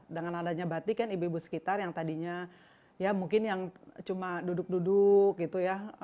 dengan adanya batik kan ibu ibu sekitar yang tadinya ya mungkin yang cuma duduk duduk gitu ya